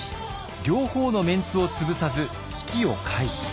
両方のメンツを潰さず危機を回避。